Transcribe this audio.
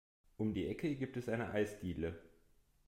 Um die Ecke gibt es eine Eisdiele.